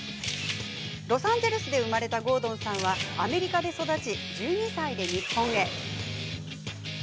ロサンゼルスで生まれた郷敦さんは、アメリカで育ち１２歳で日本へ。